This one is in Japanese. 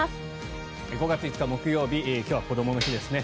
５月５日、木曜日今日はこどもの日ですね。